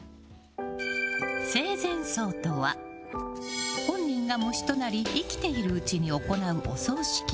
生前葬とは本人が喪主となり生きているうちに行うお葬式。